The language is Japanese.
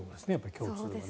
共通はね。